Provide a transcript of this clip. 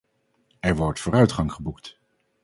Er wordt vooruitgang geboekt.